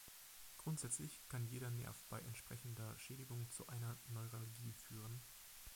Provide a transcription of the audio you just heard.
Grundsätzlich kann jeder Nerv bei entsprechender Schädigung zu einer Neuralgie führen.